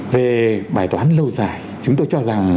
về bài toán lâu dài chúng tôi cho rằng